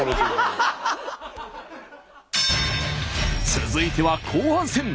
続いては後半戦。